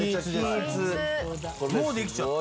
もうできちゃった。